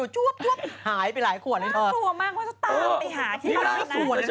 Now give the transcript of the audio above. ชุดหายเยอะ